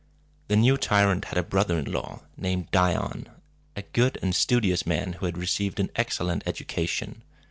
The new tyrant had a brother in law named Di´on, a good and studious man, who had received an excellent education.